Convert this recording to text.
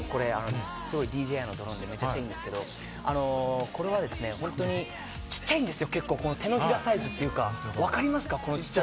ドローンこれ、めちゃくちゃいいんですけれども、これはですね、ちっちゃいんですよ、手のひらサイズというか、わかりますか？